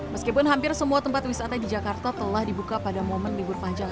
meskipun hampir semua tempat wisata di jakarta telah dibuka pada momen libur panjang